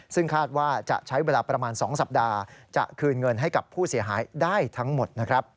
ซึ่งคาดว่าจะใช้เวลาประมาณ๒สัปดาห์จะคืนเงินให้กับผู้เสียหายได้ทั้งหมดนะครับ